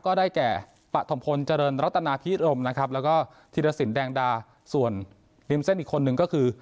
ก็ได้แก่ปะถมพลเจริญรัตนาพิรมนะครับแล้วก็ธีรสินแดงดาส่วนริมเส้นอีกคนนึงก็คือ